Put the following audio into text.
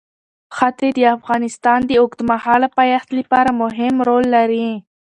ښتې د افغانستان د اوږدمهاله پایښت لپاره مهم رول لري.